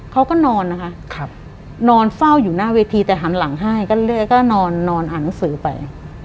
เขาก็นอนนะคะนอนเฝ้าอยู่หน้าเวทีแต่หันหลังให้ก็เรื่อยก็นอนอ่านหนังสือไป